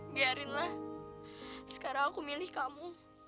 biarinlah sekarang aku milih kamu